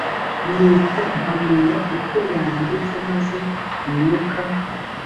nuko mpanura uko yantegetse maze umwuka